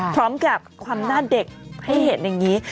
พร้อมกับความหน้าเด็กให้เห็นอย่างนี้